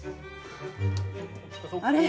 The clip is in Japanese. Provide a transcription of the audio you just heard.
あれ？